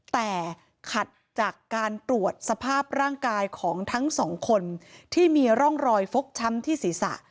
แต่ขัดจากการตรวจสภาพร่างกายของทั้งสองคนที่มีร่องรอยฟกช้ำที่ศีรษะ